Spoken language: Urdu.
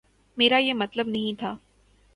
میرا یہ مطلب نہیں تھا۔